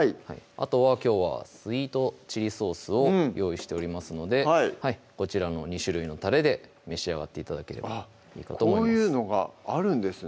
あとはきょうはスイートチリソースを用意しておりますのでこちらの２種類のたれで召し上がって頂ければいいかと思います